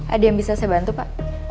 ada yang bisa saya bantu pak